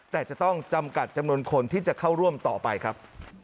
แต่จะต้องจำกัดจำนวนคนที่จะเข้าร่วมต่อไปครับ